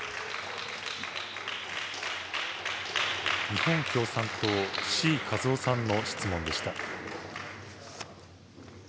日本共産党、志位和夫さんの質問でした。